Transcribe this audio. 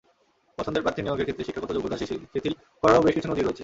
পছন্দের প্রার্থী নিয়োগের ক্ষেত্রে শিক্ষাগত যোগ্যতা শিথিল করারও বেশ কিছু নজির রয়েছে।